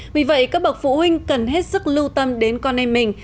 vì vậy các bậc phụ huynh cần hết sức lưu tâm đến con em mình